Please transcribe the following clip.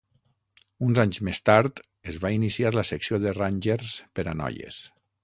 Uns anys més tard es va iniciar la secció de Rangers per a noies.